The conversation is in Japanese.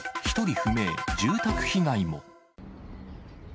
１人不明、住宅被害も。